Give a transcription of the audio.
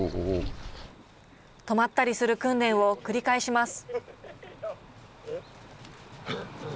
止まったりする訓練を繰り返します。